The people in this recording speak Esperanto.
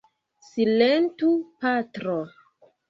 Silentu, patro!